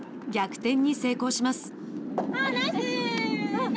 逆転に成功します。